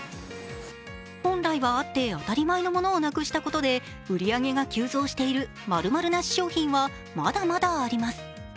本来はあって当たり前のものをなくしたことで売り上げが急増している○○なし商品は、まだまだあります